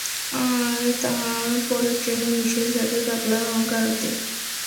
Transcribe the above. আর তার পরের ট্রেনে মিশেল যাবে পাগলা গারদে?